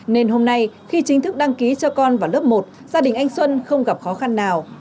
nên hôm nay khi chính thức đăng ký cho con vào lớp một gia đình anh xuân không gặp khó khăn nào